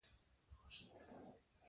د افغانستان ملي تلویزیون دولتي دی